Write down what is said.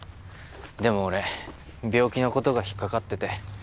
でも俺病気のことが引っ掛かってて。